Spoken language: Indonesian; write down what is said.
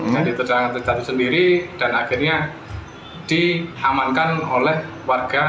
jadi terjatuh sendiri dan akhirnya diamankan oleh warga